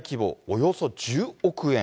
およそ１０億円。